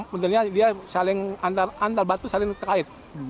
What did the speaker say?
benarnya dia saling antar batu saling terkait